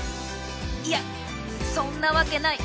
いやそんなわけない！